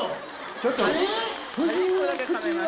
⁉ちょっと。